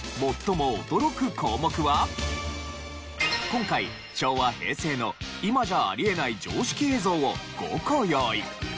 今回昭和平成の今じゃあり得ない常識映像を５個用意。